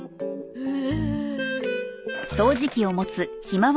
うん。